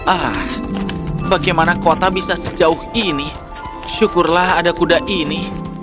ah bagaimana kota bisa sejauh ini syukurlah ada kuda ini